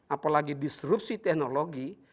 apalagi disrupsi teknologi